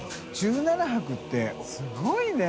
１７泊ってすごいね。